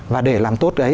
và để làm tốt cái ấy